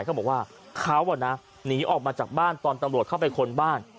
เขาบอกว่าเขาหนีออกมาจากบ้านตอนตำรวจเข้าไปค้นบ้าน